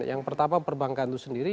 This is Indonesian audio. yang pertama perbankan itu sendiri